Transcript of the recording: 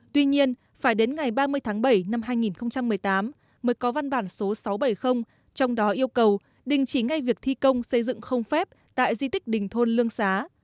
tuy nhiên phải đến ngày ba mươi tháng bảy năm hai nghìn một mươi tám mới có văn bản số sáu trăm bảy mươi trong đó yêu cầu đình chỉ ngay việc thi công xây dựng không phép tại di tích đình thôn lương xá